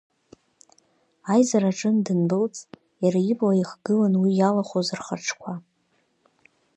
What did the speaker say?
Аизара аҿынтә дандәылҵ, иара ибла ихгылан уи иалахәыз рхаҿқәа.